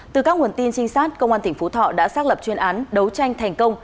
từ các nguồn tin trinh sát công an tỉnh phú thọ đã xác lập chuyên án đấu tranh thành công